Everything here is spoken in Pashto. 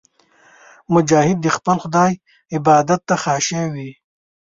مجاهد د خپل خدای عبادت ته خاشع وي.